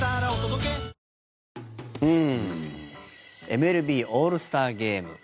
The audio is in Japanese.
ＭＬＢオールスターゲーム。